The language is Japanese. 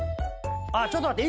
ちょっと待って！